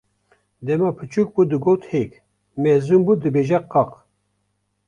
Dema biçûk bû digot hêk, mezin bû dibêje qaq.